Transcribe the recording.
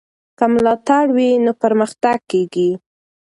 که ملاتړ وي نو پرمختګ کېږي.